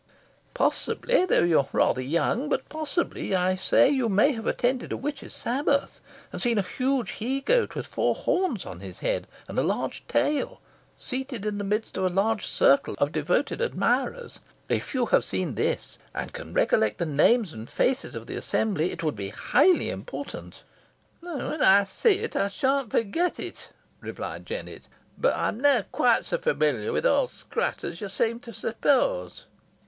ha! Possibly though you are rather young but possibly, I say, you may have attended a witch's Sabbath, and seen a huge He Goat, with four horns on his head, and a large tail, seated in the midst of a large circle of devoted admirers. If you have seen this, and can recollect the names and faces of the assembly, it would be highly important." "When ey see it, ey shanna forget it," replied Jennet. "Boh ey am nah quite so familiar wi' Owd Scrat os yo seem to suppose."